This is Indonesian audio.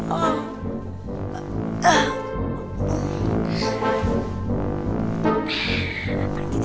ah apaan itu